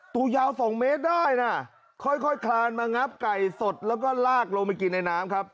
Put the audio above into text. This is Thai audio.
ตัวยาว๒เมตรได้นะค่อยคลานมางับไก่สดแล้วก็ลากลงไปกินในน้ำครับ